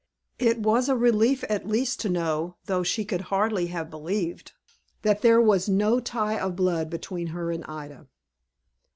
It was a relief at least to know, though she could hardly have believed, that there was no tie of blood between her and Ida.